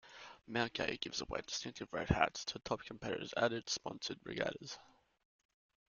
Mount Gay gives away distinctive red hats to top competitors at its sponsored regattas.